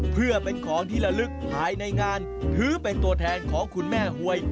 เพื่อเป็นของที่ละลึกภายในงานถือเป็นตัวแทนของคุณแม่หวย